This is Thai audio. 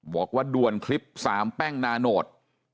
บอกว่าด่วนคลิป๓แป้งนาโนต